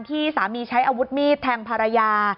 ที่สามีใช้อาวุธมีดแทงภรรยา